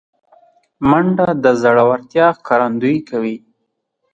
منډه د زړورتیا ښکارندویي کوي